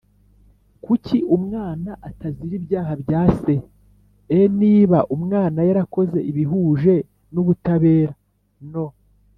kuki umwana atazira ibyaha bya se e Niba umwana yarakoze ibihuje n ubutabera no